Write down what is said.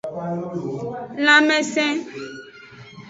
Lanmese.